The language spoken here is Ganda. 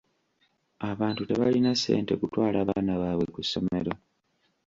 Abantu tebalina ssente kutwala baana baabwe ku ssomero.